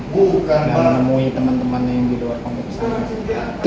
bukan menemui teman teman yang di luar pemerintahan